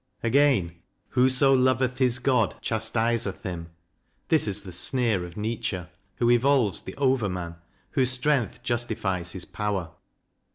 Again, "Whoso loveth his God chastiseth him," this is the sneer of Nietzsche, who evolves the " Overman," whose strength justifies his power.